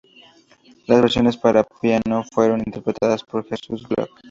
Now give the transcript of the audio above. Las versiones para piano fueron interpretadas por Jesús Glück.